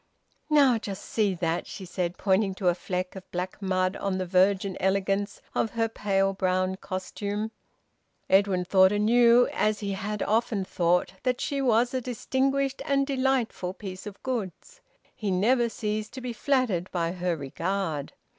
"Now just see that!" she said, pointing to a fleck of black mud on the virgin elegance of her pale brown costume. Edwin thought anew, as he had often thought, that she was a distinguished and delightful piece of goods. He never ceased to be flattered by her regard.